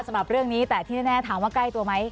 สำหรับเรื่องนี้แต่ที่แน่ถามว่าใกล้ตัวไหม